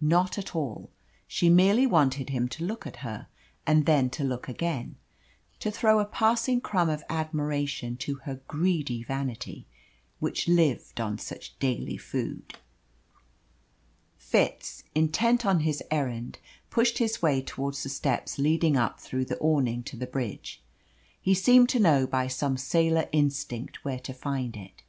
Not at all. She merely wanted him to look at her, and then to look again to throw a passing crumb of admiration to her greedy vanity, which lived on such daily food. Fitz, intent on his errand, pushed his way towards the steps leading up through the awning to the bridge. He seemed to know by some sailor instinct where to find it.